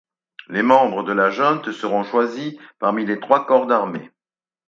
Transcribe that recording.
Les membres de la junte seront choisis parmi les trois corps d'armée.